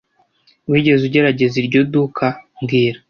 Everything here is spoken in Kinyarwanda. Wigeze ugerageza iryo duka mbwira